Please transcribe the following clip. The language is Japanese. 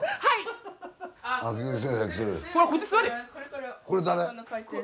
はい！